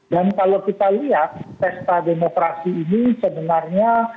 dan kalau kita lihat testa demokrasi ini sebenarnya